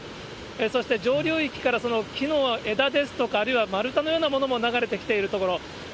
そして、上流域から木の枝ですとか、あるいは丸太のようなものも流れてきているところ。